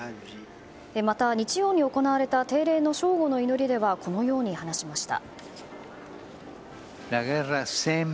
また、日曜に行われた定例の正午の祈りではこのように話しました。